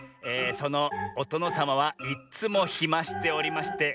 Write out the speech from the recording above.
「そのおとのさまはいっつもひましておりまして